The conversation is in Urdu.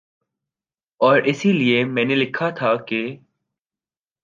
اور اسی لیے میں نے لکھا تھا کہ